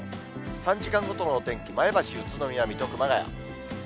３時間ごとの天気、前橋、宇都宮、水戸、熊谷。